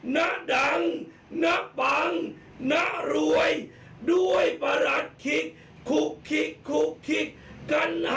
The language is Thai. ณดังณปังณรวยด้วยประหลัดคิกคุกคิกคุกคิกกัน